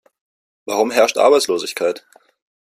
Warum herrscht Arbeitslosigkeit?